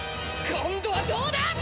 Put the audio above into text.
今度はどうだ！？